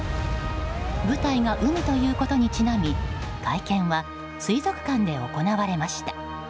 舞台が海ということにちなみ会見は水族館で行われました。